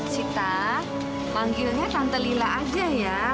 sita manggilnya tante lila aja ya